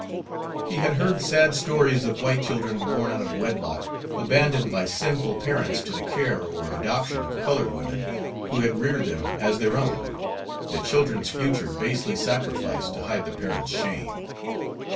He had heard sad stories of white children, born out of wedlock, abandoned by sinful parents to the care or adoption of colored women, who had reared them as their own, the children's future basely sacrificed to hide the parents' shame.